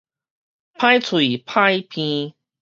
歹喙歹鼻